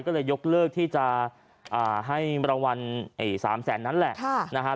ก็เลยยกเลิกที่จะให้ประวัติสามแสนนั้นแหละ